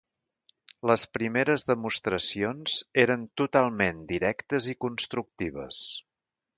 Les primeres demostracions eren totalment directes i constructives.